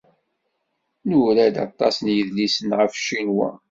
Nura-d aṭas n yidlisen ɣef Ccinwa.